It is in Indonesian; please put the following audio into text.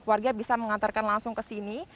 warga bisa mengantarkan langsung ke sini